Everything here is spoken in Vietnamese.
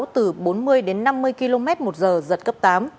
từ bốn mươi đến năm mươi km một giờ giật cấp tám